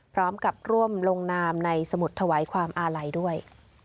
พร้อมกับร่วมลงนามในสมุดถวายความอาลัยด้วย